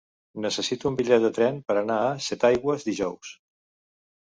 Necessito un bitllet de tren per anar a Setaigües dijous.